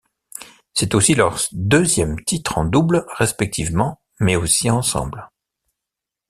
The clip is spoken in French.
C'est aussi leur deuxième titre en double respectivement mais aussi ensemble.